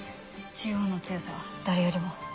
中央の強さは誰よりも。